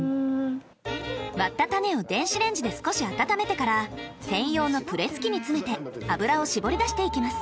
割った種を電子レンジで少し温めてから専用のプレス機に詰めて油を搾り出していきます。